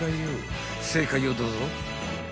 ［正解をどうぞ］